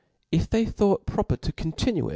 If they thought proper to continucl.